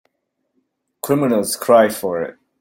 Criminals cry for it.